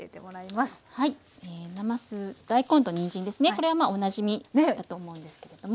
これはまあおなじみだと思うんですけれども。